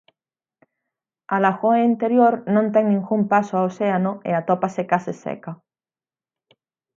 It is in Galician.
A lagoa interior non ten ningún paso ao océano e atópase case seca.